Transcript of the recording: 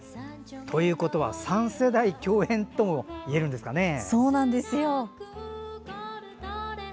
ということは３世代共演ともいえるんですかね。